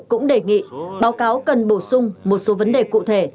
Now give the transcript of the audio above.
cũng đề nghị báo cáo cần bổ sung một số vấn đề cụ thể